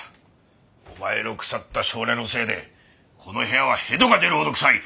お前の腐った性根のせいでこの部屋は反吐が出るほど臭い。